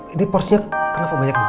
ini porsinya kenapa banyak nih